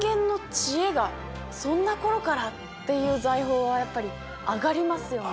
こういうっていう財宝はやっぱり上がりますよね。